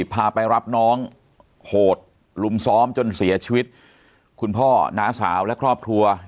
พาไปรับน้องโหดลุมซ้อมจนเสียชีวิตคุณพ่อน้าสาวและครอบครัว